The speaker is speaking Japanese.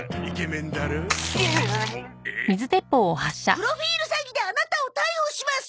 プロフィール詐欺でアナタを逮捕します。